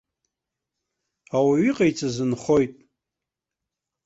Ауаҩ иҟаиҵаз нхоит.